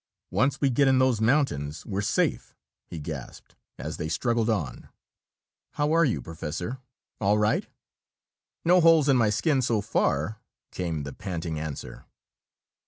"Once we get in those mountains, we're safe!" he gasped, as they struggled on. "How are you, Professor all right?" "No holes in my skin so far!" came the panting answer.